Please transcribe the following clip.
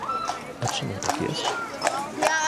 A czemu tak jest?